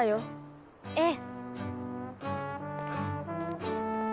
ええ。